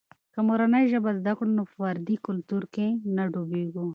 چي مورنۍ ژبه زده کړو، په پردي کلتور کې نه ډوبېږو.